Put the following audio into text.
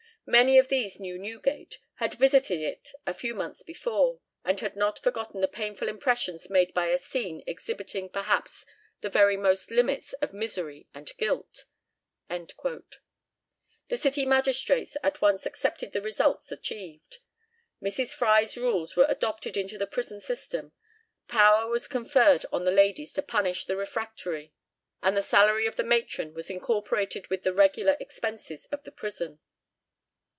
Many of these knew Newgate, had visited it a few months before, and had not forgotten the painful impressions made by a scene exhibiting perhaps the very utmost limits of misery and guilt." The city magistrates at once accepted the results achieved. Mrs. Fry's rules were adopted into the prison system, power was conferred on the ladies to punish the refractory, and the salary of the matron was incorporated with the regular expenses of the prison.